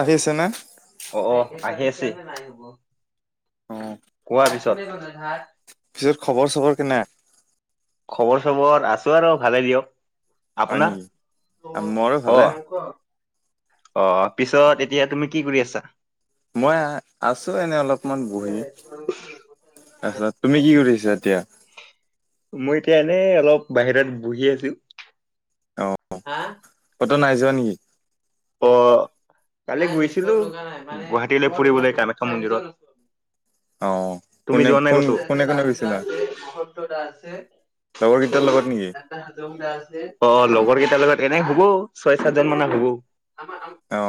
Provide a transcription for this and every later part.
আহি আছে নে অ' - অ' আহি আছে। অ কোৱা পিছত পিছত খবৰ চবৰ কেনে খবৰ-চবৰ, আছোঁ আৰু ভালে দিয়ক। হয় আপোনাৰ? নেকি মোৰো [unintelligible] ভালে অ' অ' পিছত এতিয়া তুমি কি কৰি আছা? মই আছোঁ এনেই অলপ অকমান বহি। তাৰপিছত তুমি কি কৰি আছা এতিয়া? মই এতিয়া এনেই অলপ বাহিৰত বহি আছোঁ। হা? টো নাই যোৱা নেকি? অ' কালি গৈছিলোঁ গুৱাহা টীলৈ ফুৰিবলেই কামাখ্যা মন্দিৰত। অ তুমি কোনে যোৱা নাই কোন কোনে কোনে গৈছিলা ক'তো? লগৰ কেইটাৰ লগত নেকি এটা হাজংদা আছে। অ' লগৰ কেইটাৰ লগত এনে হব। ছয়-সাতজন মানে হব। অ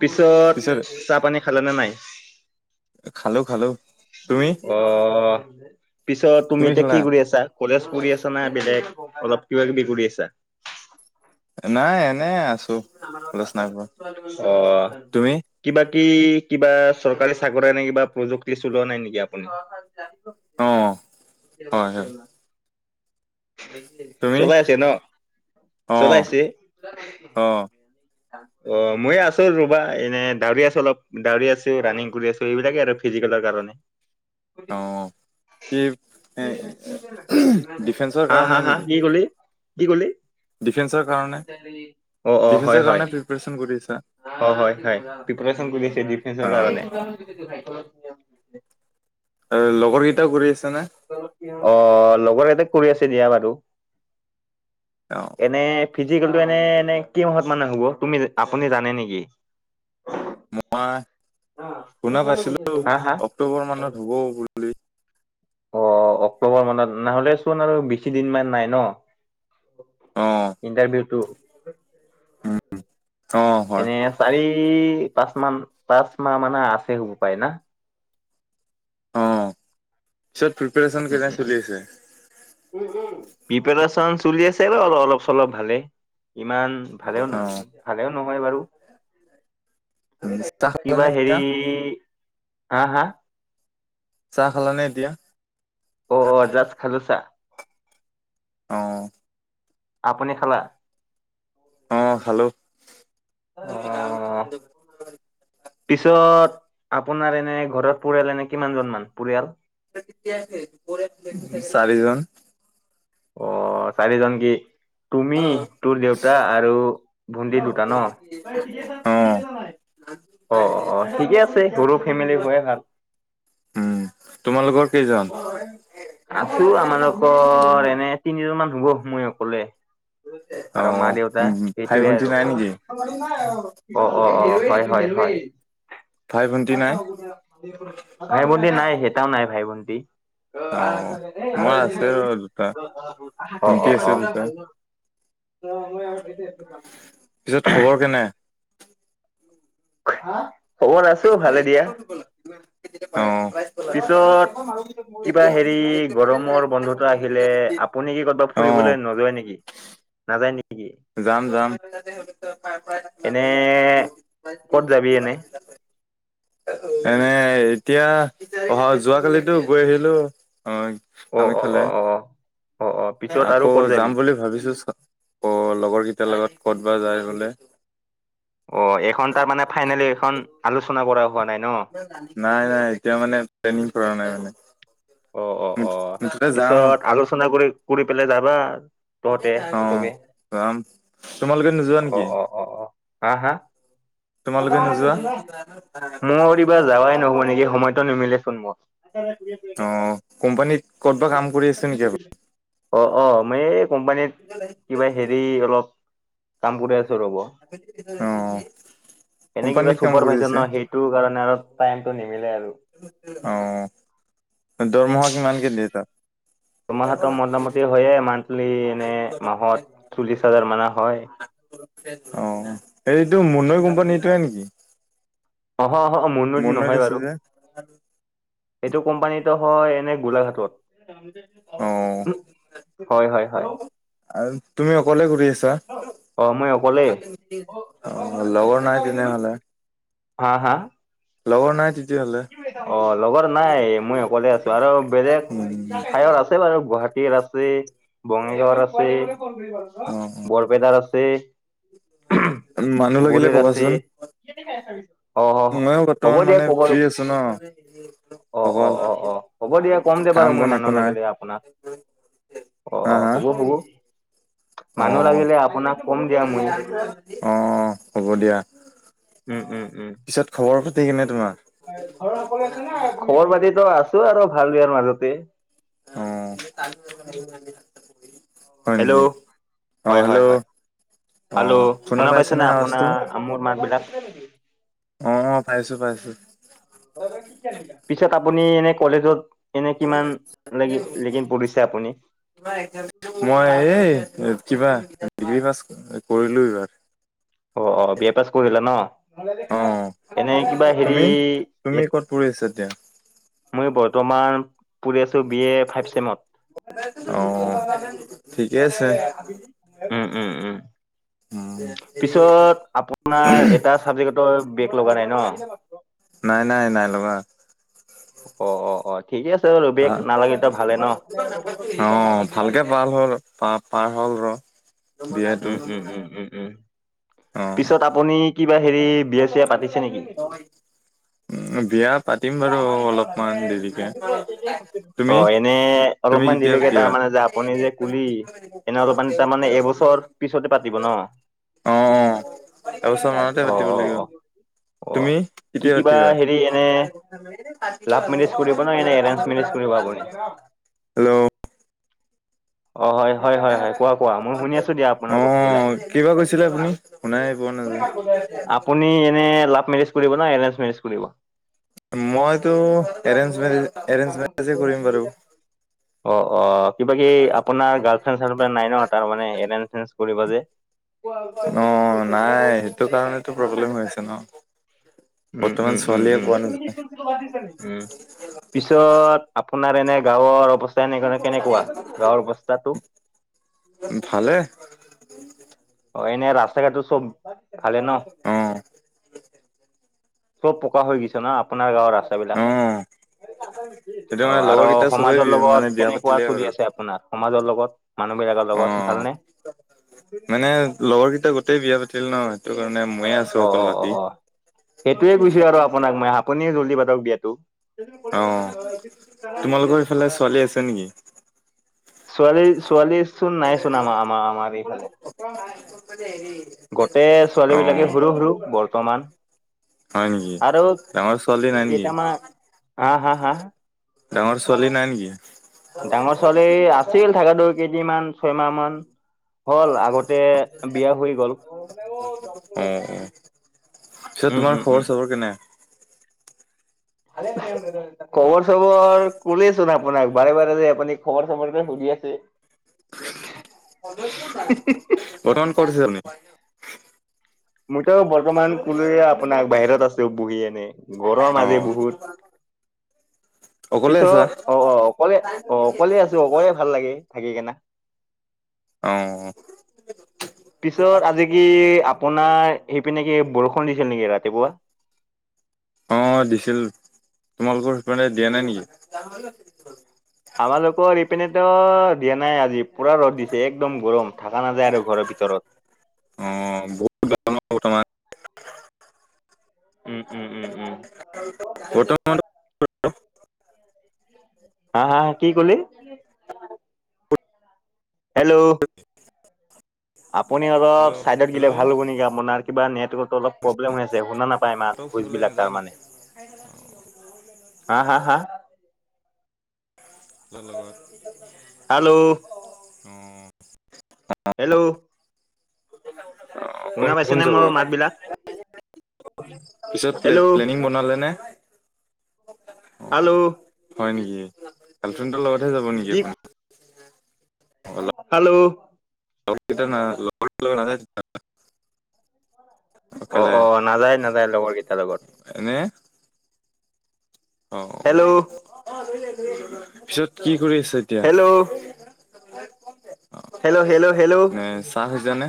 পিছত চাহ-পানী খালেনে নাই? খালো খালো। তুমি অ পিছত তুমি এতিয়া কি কৰি আছা? কলেজ পঢ় আছা না বেলেগ? অলপ কিবা কিবি কৰি আছা? নাই এনে আছো। কলেজ নাই পোৱা [inaudible] অ তুমি কিবা কি কিবা চৰকাৰী চাকৰি নাই কিবা প্ৰযুক্তি চলোৱা নাই নেকি আপুনি? অ হয় হয় [unintelligible] তুমি চলাই আছে ন অ চলাইছে? অ অ ময়ে আছো ৰবা এনে দাৰি আছো অলপ। দাউৰি আছো ৰানিং কৰি আছো এইবিলাকে আৰু। ফিজিকেলৰ কাৰণে অ। কিফ [unintelligible] ডিফেন্সৰ হা হা কাৰণে হা নেকি? কি ক'লি? কি কলি? ডিফেন্সৰ কাৰণে অ অ। হয় ডিফেন্সৰ হয় কাৰণে প্ৰিপেৰেচন কৰি আছা? হয় হয়। প্ৰিপাৰেচন কৰি আছোঁ ডিফেন্সৰ কাৰণে। অ [inaudible] আৰু লগৰ কেইটাও কৰি আছে। আহ লগৰ এতাক কৰি আছে দিয়া বাৰু। অ এনে ফিজিকেলটো এনে এনে কি মাহত মানে হ'ব তুমি আপুনি জানে নেকি মই শুনা পাইছিলো হা হা অক্টোবৰ মানত হ'ব বুলি অ অক্টোবৰ মানত নহ'লে চোন আৰু বেছি দিনমান নাই ন অ ইণ্টাৰভিউটো উম এনে চাৰি পাঁচ তান তচ মাহ মানে আছে হুব পায় না পিত প্ৰিপেৰেচন উম কেনে উম চলি আছে প্ৰিপৰে্যন চলি আছে ৰল অলপ চলপ ভালে ইমান ভালেও ভালেও নহয় বাৰু উ কিবা হেৰি হা হা চাহ খাল নে এতিয়া অ অ জাছ খালোছা অ আপুনি খালা অ খালোঁ অ [unintelligible] পিছত আপোনাৰ এনে ঘৰত পৰিয়াল এনে কিমানজন মান পৰিয়াল চাৰিজন অ চাৰিজন কি তুমি তোৰ দেউতা আৰু ভণ্টি দুটা ন অ অ অ অ ঠিকে আছে সৰু ফেমিলি হৈয়ে ভাল উম তোমালোকৰ কেইজন? আছো আমালোকৰ এনে তিনিজনমান হ'ব মই অকলে অ আৰু মা দেউতা ভাই সেইটোৱে ভন্টি আৰু নাই নেকি? অ অ অ হয় হয় হ [inaudible] নাই? ভাই ভনী নাই সেইটাও নাই ভাই বনী অ মই আছে দুটা ভন্টি আছে দুটা। ভাল ন অ মই পিছত খবৰ কেনে। অ', খবৰ আছো ভালে দিয়া। অ। পিছত কিবা হেৰি গৰমৰ বন্ধতা আহিলে। আপুনিকি ক'তবাত অ', ফুৰিবলৈ নযোৱায় নেকি নাযায় নেকি। যাম যাম। এনে ক'ত যাবি এনে। এনে এতিয়া অহা যোৱাকালিতো গৈ আহিলো। অ অ', আামি অ', খালে অ', অ', অ', অ', পিছত আৰু আকৌ ক'ত যাম যাবি? বুলি ভাবিছো চ। অ লগৰ কেইটাৰ লগত ক'ত বা যায় বোলে। অ এইখন তাৰ মানে ফাইনেলি এইখন আলোচনা কৰা। হোৱা নাই ন? নাই নাই এতিয়া মানে ট্ৰনিং কৰা নাই মানে। অ অ অ মুঠতে যাম পিছত আলোচনা কৰি কৰি পেলাই যাবা। তহতে অ', চবেই যাম তোমালোকে নোযোৱা অ নেকি? অ অ অ। হা হা। তোমালোকে নোযোৱা? মোৰত এইবা যাৱাই নহব নেকি সময়তো নিমিলে। শুন। অ কোম্পানীত ক'ত বা কাম কৰি আছে নেকি আপুনি?। অ অ মই এই কোম্পানীত কিবা হেৰি অলপ কাম কৰি আছো। অ', এনে কিবা কোম্পানীত কাম চুপাৰ কৰি পাইছে আছে? ন সেইটো কাৰণে আৰু। টাইমটো। নিমিলে আৰু। অ দৰমহা কিমান কে দিয়ে তাত?। দুমাহটো মোটামুটি হয়য়ে মান্থলি এনে মাহত চল্লিশ হাজাৰ মানৰ হয়। অ এইেটো মুনৈ কোম্পানীটোৱে নেকি? অ মুনৈ মুনৈত নহয় আছে বাৰু যে এইটো কোম্পানীত। হয় এনে অ', গোলাঘাটত। হয় হয় হয় আৰু তুমি অকলে কৰি আছা? অ', মই অকলেই। অ লগৰ নাই তেনেহলে। হা হা। লগ লগৰ নাই তেতিতিয়া। অ লগৰ নাই মই অকলে আছো আৰু বেলেগ উম, ঠাইত আছে বাৰু গুৱাহাটীত। আছে বঙাইগাঁৱৰ আছে, অ', বৰপেদাৰ আছে। মানুহ গোবৰ লাগিলে আছে। ক'বাচোন। অ ময়ো অ হ'ব বৰ্তমান দিয়া মানে কব। ফ্ৰী আছো ন। অ অ অকল অ অ হ'ব দিয়া কম দে বাৰু কাম মই বন মানুহ একো লাগে নাই দে আপোনাক। অ হা অ হা হ'ব হ'ব। অ মানুহ লাগিলে আপোনাক কম দিয়া মই। অ হ'ব দিয়া উম উম উম পিছত খবৰ পাতি কেনে তোমাৰ? খবৰ পাতিতো আছো আৰু ভাল বেয়াৰ মাজতে। অহ। হয় নেকি? অ হেল্লো হেল্লো শুনা পাইছে না আপোনাৰ আমোৰ মাত বিলাক। অ পাইছো পাইছো। পিছত আপুনি এনে কলেজত। এনে কিমান লাগি লেকিন পঢ়িছে আপুনি? মই এই কিবা ডিগ্ৰী পাছ কৰিলো এইবাৰ। অ অ বি এ পাছ কৰিলা ন অ এনে কিবা হেৰি। তুমি তুমি ক'ত পঢ়ি আছা এতিয়া মই বৰ্তমান পঢ়ি আছোঁ বি এ ফাইভ চছেমত। যা অ নে নেকি ঠিকে মানে আছে আবিলি। উম উম উম পিছত আপোনাৰ এটা চাবজেক্টৰ। বেগ লগা নাই ন? নাই নাই নাই লগা। অ অ অ ঠিকে আছে বাৰু বেগ আহ নালাগে এতিয়া ভালে ন অ ভালকে ভাল হ'ল পা পাৰ হ'ল ক উম উম উম উম উম অ পিছত আপুনি কিবা হেৰি বিয়া চিয়া পাতিছে নিকি? বিয়াত তুমি অ এনে তুমি অলপমান কেতিয়া দেৰিকে পাতিবা তাৰমানে যে আপুনি যে কুলি এনেকা পানী তাৰ মানে এবছৰ পিছতে পাতিব ন? অ অ এবছৰ মানতে অ পাতিব অ লাগিব। অ তুমি কেতিয়া পাতিবা? হি এনে লাভ মেৰিজ কৰিব নে এৰেঞ্জ মেৰিজ কৰিব আপুনি? হেল্ল' অ হয় হয় হয় হয় কোৱা কোৱা মই শুনি আছো দিয়া আপোনাৰ অ কথাবিলাক। কিবা কৈছিলে আপুনি শুনাই পোৱা নাযায় আপুনি এনে লাভ মেৰিজ কৰিব ন এৰেঞ্জ মেৰিজ কৰিব? মইতো এৰেঞ্জ মেৰি এৰেঞ্জ মেৰিজে কৰিম বাৰু। অ অ কিবা কি আপোনাৰ গাৰ্ল ফ্ৰেড চালফেন নাই ন কাৰ মানে এৰেন তেঞ্চ কৰিব যে? অ নাই সেইটো কাৰণেতো প্ৰব্লেম হৈছে ন উম বৰ্তমান উম উম ছোৱালীয়ে উম পোৱা নাযায় উম পিছত আপোনাৰ এনে গাঁৱৰ অৱস্থা এনে মানে কেনেকুৱা গাঁৱৰ অৱস্থা তাকো ভালে অ এনেই ৰাস্তা ঘাটটো চব ভালে ন অ চব পকা হৈ গৈছে ন আপোনাৰ গাঁৱৰ ৰাস্তাবিলাক অ এতিয়া অ মানে লগৰ আৰু কেইটা চবে সমাজৰ মানে লগত বিয়া কেনেকুৱা পাতিলে চলি আৰু আছে আপোনাৰ সমাজৰ লগত মানুহ বিলাকৰ অ লগত ভালনে মানে লগৰকেইটা গোটেই বিয়া পাতিল নহয় অ অ অ অ সেইটোৱে কৈছো আৰু আপোনাক মই আপুনিও জল্দি পাটক বিয়াটো অ তোমালোকৰ ইফালে ছোৱালী আছে নিকি ছোৱালী ছোৱালী চোন নাইচোন আমাৰ আমাৰ আমাৰ এইফালে গোটেই অ ছোৱালী বিলাকে সৰু সৰু বৰ্তমান হয় নিকি আৰু ডাঙৰ ছোৱালী নাই নিকি কেইটামান হা হা হা ডাঙৰ ছোৱালী নাই নিকি ডাঙৰ ছোৱালী আছিল থাকাটো কেইদিনমান ছয় মাহ মান হল আগতে বিয়া হৈ গ'ল অ অ পিছত উম তোমাৰ উম উম খবৰ চবৰ কেনে খবৰ চবৰ কলেচোন আপোনাক বাৰে বাৰে আপুনি খবৰ চবৰকে সুধি আছে বৰ্তমান কত আছে আপুনি মইতো বৰ্তমান কলোয়ে আপোনাক বাহিৰত আছে বহি এনে গৰম অ আজি বহুত [inaudible] অকলে আছা পিছত অ অ অকলে অ অকলে আছো অ বৰ ভাল লাগে থাকি কিনে অ পিছত আজি কি আপোনাৰ সেইপিনে কি বৰষুণ দিছিল নিকি ৰাতিপুৱা অ দিছিল তোমালোকৰ সেইপিনে দিয়া নাই নিকি আমালোকৰ ইপিনেতো দিয়া নাই আজি পুৰা ৰ'দ দিছে একদম গৰম থকা নাযায় আৰু ঘৰৰ ভিতৰত অঁ বহুত গৰম ন বৰ্তমান উম উম উম উম বৰ্তমান তো ক হা - হা - হা? কি কলি? হেল্ল'? আপুনি হেল্ল' অলপ চাইডত গিলে হেল্ল' ভাল হ'ব নেকি? আপোনাৰ কিবা নেটৱৰ্ক অলপ প্ৰব্লেম হৈ আছে। শুনা নাপায় মা এ নাযায় নেকি? অ'। হা - হা - হা? কাৰ হেল্ল' লগত? অ'। হেল্ল'? অ কোন শুনা পাইছে কোন নে যাব মোৰ মাতবিলাক? পিছত প্লে- হেল্ল' প্লেনিং বনালেনে? হেল্ল'? হয় নেকি? গালফ্ৰেণ্ডৰ লগতহে যাব নেকি কি আপুনি? হেল্ল'? [unintelligible] অ' অকলে - অ', নাযায় - নাযায় লগৰকেইটাৰ লগত। এনে অ' হেল্ল' পিছত কি কৰি আছে? হেল্ল'? অ', হেল্ল' হেল্ল' হেল্ল' এনে হেল্ল' চাহ জানে?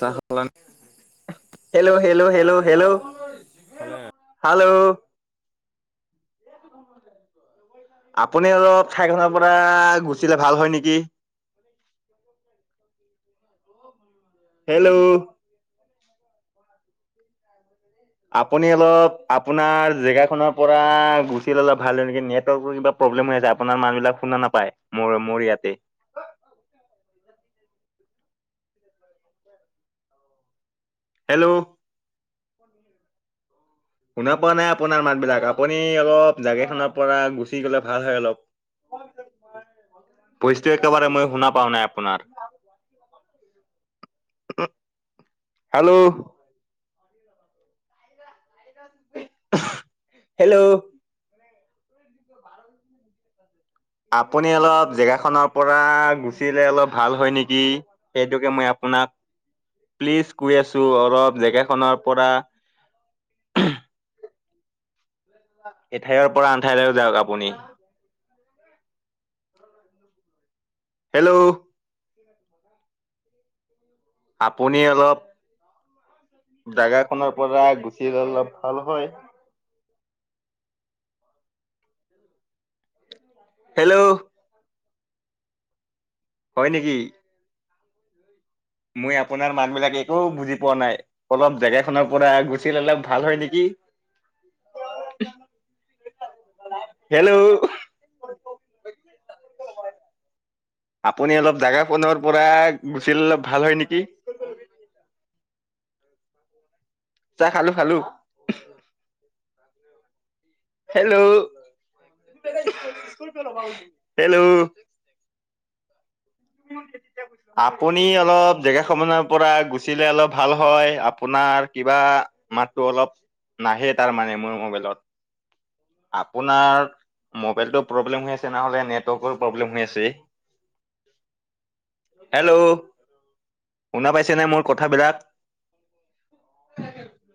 চাহ খালানে? Hello - hello - hello - hello? Hello? আপুনি অলপ ঠাইখনৰ পৰা গুচিলে ভাল হয় নেকি? আ হেল্ল'? আপুনি অলপ আপোনাৰ জেগাখনৰ পৰা গুচি ললে ভাল হয় নেকি? নেটৱৰ্ প্ৰব্লেম হৈ আছে। আপোনাৰ মাতবিলাক শুনা নাপায়, মোৰ- মোৰ ইয়াতে। আ হেল্ল'? শুনা পোৱা নাই আপোনাৰ মাতবিলাক। আপুনি অলপ জাগাখনৰ পৰা গুচি গ'লে ভাল হয় অলপ। স ভইচটো একেবাৰে মই শুনা পাৱা নাই আপোনাৰ। হেল্ল'? হেল্ল'? আপুনি অলপ জেগাখনৰ পৰা গুচিলে অলপ ভাল হয় নেকি? সেইটোকে মই আপ পোনাক প্লিজ কৈ আছোঁ অলপ জেগাখনৰ পৰা স এঠাইৰ পৰা আন ঠাইলৈ যাওঁক আপুনি। হেল্ল'? আপুনি অলপ জাগাখনৰ পৰা গুচিলে অলপ ভাল হয়। হেল্ল'? হয় নেকি? মই আপোনাৰ মাতবিলাক একো বুজি পোৱা নাই। অলপ জেগাখনৰ পৰা গুচি ল'লে ভাল হয় নেকি? অ হেল্ল'? আ আপুনি অলপ জাগা ফোনৰ পৰা গুচিল অলপ ভাল হয় নেকি? চাহ খালো‍ঁ - খালোঁ। হেল্ল'? হেল্ল'? আপুনি অলপ জেগা সমনৰ পৰা গুচিলে অলপ ভাল হয়। আপোনা ৰ কিবা মাতটো অলপ নাহে তাৰমানে মোৰ মোবাইলত। আপোনাৰ মোবাইলটো প্ৰব্লেম হৈ আছে। নহ'লে নেটৱৰ্কৰো প্ৰব্লেম হৈ আছে। হেল্ল'! শুনা পাইছেনে মোৰ কথাবিলাক?